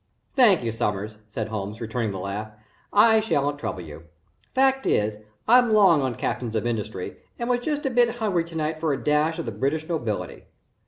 "Thank you, Sommers," said Holmes, returning the laugh. "I sha'n't trouble you. Fact is, I'm long on Captains of Industry and was just a bit hungry to night for a dash of the British nobility.